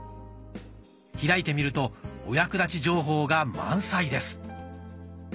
開いてみるとお役立ち情報が満載です。